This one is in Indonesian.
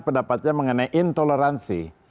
pendapatnya mengenai intoleransi